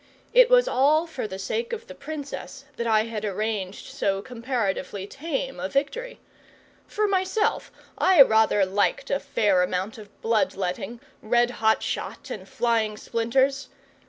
It was all for the sake of the Princess that I had arranged so comparatively tame a victory. For myself, I rather liked a fair amount of blood letting, red hot shot, and flying splinters.